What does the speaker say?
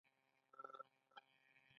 آیا خلک په ورځني ژوند کې تومان نه کاروي؟